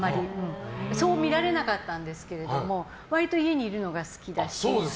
そう見られなかったんですけども割と家にいるのが好きだし。